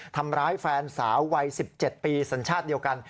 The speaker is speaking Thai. ทำร้ายแฟนสาววัย๑๗ปีสัญชาติเดียวกัน